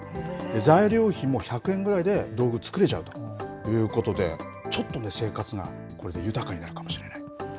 材料費も１００円ぐらいで道具作れちゃうということで、ちょっと、生活がこれで豊かになるかもしれない。